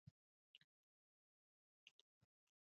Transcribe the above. مرئیتوب دولتونو د ځمکې مالکیت په خپل لاس کې واخیست.